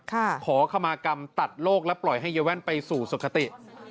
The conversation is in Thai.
ขอขมากรรมตัดโลกและปล่อยให้ยายแว่นไปสู่สุขติ